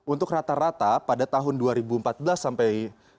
untuk rata rata pada tahun dua ribu empat belas sampai dua ribu dua puluh